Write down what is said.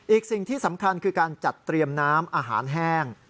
สิ่งที่สำคัญคือการจัดเตรียมน้ำอาหารแห้ง